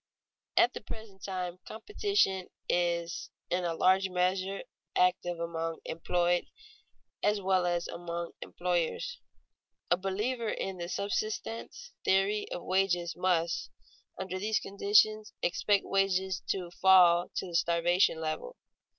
_ At the present time competition is in a large measure active among employed as well as among employers. A believer in the subsistence theory of wages must, under these conditions, expect wages to fall to the starvation level.